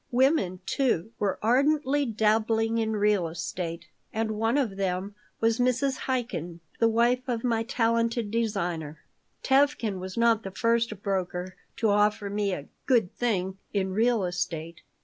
Women, too, were ardently dabbling in real estate, and one of them was Mrs. Chaikin, the wife of my talented designer Tevkin was not the first broker to offer me a "good thing" in real estate.